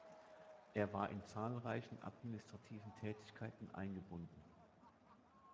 Er war in zahlreichen administrativen Tätigkeiten eingebunden.